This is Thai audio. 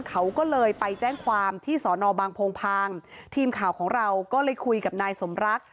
เขาก็เลยไปแจ้งความที่สอนอบางโพงพางทีมข่าวของเราก็เลยคุยกับนายสมรัก